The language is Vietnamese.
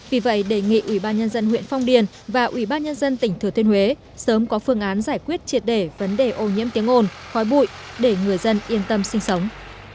vì vậy đề nghị ubnd huyện phong điền và ubnd tỉnh thừa thiên huế sớm có phương án giải quyết triệt để vấn đề ô nhiễm tiếng ồn khói bụi để người dân yên tâm sinh sống